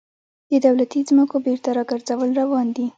د دولتي ځمکو بیرته راګرځول روان دي